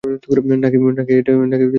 নাকি এটা খুব বেশি হয়ে গেল?